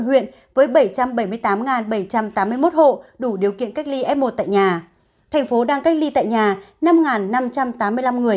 huyện với bảy trăm bảy mươi tám bảy trăm tám mươi một hộ đủ điều kiện cách ly f một tại nhà thành phố đang cách ly tại nhà năm năm trăm tám mươi năm người